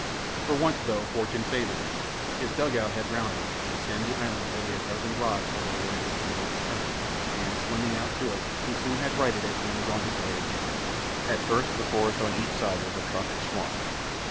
For once, though, fortune favored him. His dug out had grounded on a sandy island hardly a dozen rods below where it had been overturned, and swimming out to it, he soon had righted it and was on his way again. At first the forest on each side was a tropic swamp.